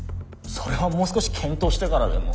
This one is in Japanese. それはもう少し検討してからでも。